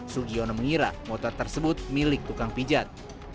sugiono mengira motor tersebut milik tukang pijat